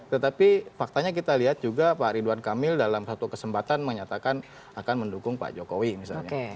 tetapi faktanya kita lihat juga pak ridwan kamil dalam satu kesempatan menyatakan akan mendukung pak jokowi misalnya